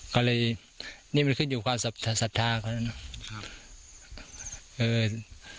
ก็เลยนี่มันขึ้นอยู่ความศรัทธาคนนั้น